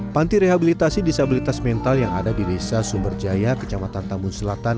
panti rehabilitasi disabilitas mental yang ada di desa sumberjaya kecamatan tambun selatan